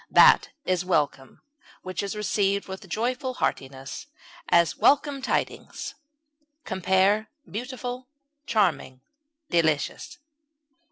That is welcome which is received with joyful heartiness; as, welcome tidings. Compare BEAUTIFUL; CHARMING; DELICIOUS.